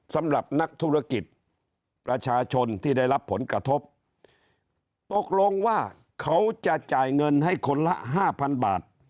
สำหรับนักธุรกิจประชาชนที่ได้รับผลกระทบตกลงว่าเขาจะจ่ายเงินให้คนละห้าพันบาท